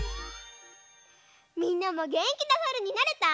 みんなもげんきなさるになれた？